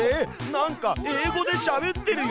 なんか英語でしゃべってるよ。